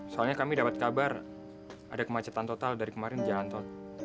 soalnya kami dapat kabar ada kemacetan total dari kemarin jalan tol